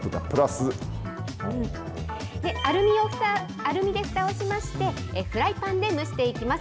アルミでふたをしまして、フライパンで蒸していきます。